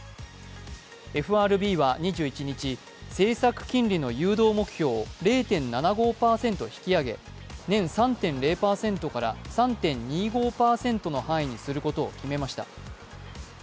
ＦＲＢは２１日、政策金利の誘導目標を０．７５％引き上げ年３．０％から３．２５％の範囲にすることを決めました。